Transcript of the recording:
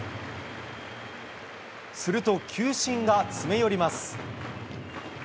すると球審が詰め寄ります。